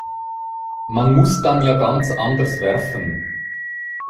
Man muss dann ja ganz anders werfen.